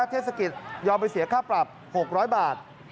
เทศกิจยอมไปเสียค่าปรับ๖๐๐บาท